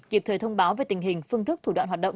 kịp thời thông báo về tình hình phương thức thủ đoạn hoạt động